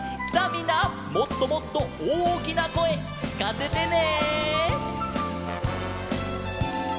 みんなもっともっとおおきなこえきかせてね！